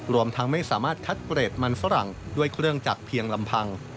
รวมทั้งไม่สามารถคัดเกรดมันฝรั่งด้วยเครื่องจักรเพียงลำพัง